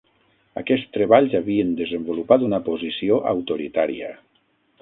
Aquests treballs havien desenvolupat una posició autoritària.